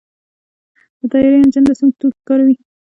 د طیارې انجن د سونګ توکي کاروي.